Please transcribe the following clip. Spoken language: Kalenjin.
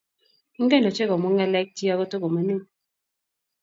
Ingen ochei komwaa ngalekchik ago tigo mining